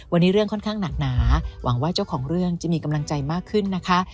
วันนี้เรื่องค่อนข้างหนักหนาหวังว่าเจ้าของเรื่องจะมีกำลังใจมากขึ้นนะคะ